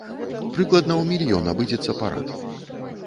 Прыкладна ў мільён абыдзецца парад.